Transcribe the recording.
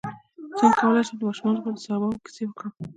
څنګه کولی شم د ماشومانو لپاره د صحابه وو کیسې وکړم